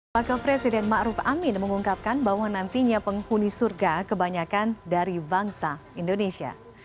pak presiden ma'ruf amin mengungkapkan bahwa nantinya penghuni surga kebanyakan dari bangsa indonesia